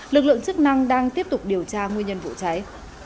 lực lượng chức năng đang tiếp tục điều tra nguyên nhân vụ cháy